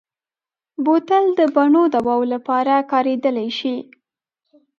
بوتل د بڼو دواوو لپاره کارېدلی شي.